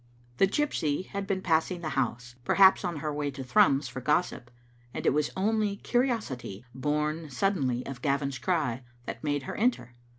The gypsy had been passing the house, perhaps on her way to Thrums for gossip, and it was only curios ity, bom suddenly of Gavin's cry, that made her enter.